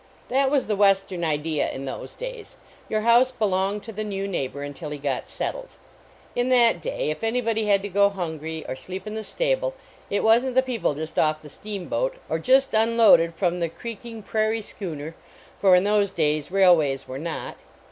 That was the western idea in those days. Your house belonged to the new neighbor until he got settled. In that day, if any body had to go hungry or sleep in the sta ble, it wasn t the people just off the steam boat or just unloaded from the creaking prai rie schooner for in those days railways were not.